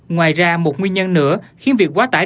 ngoài ra một nguyên nhân nữa khiến việc quá tải